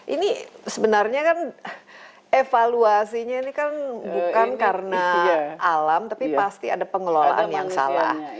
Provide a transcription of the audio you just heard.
ini sebenarnya kan evaluasinya ini kan bukan karena alam tapi pasti ada pengelolaan yang salah